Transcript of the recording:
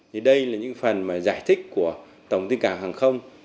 thì đây là những phần mà giải thích của tổng tin cảng hàng không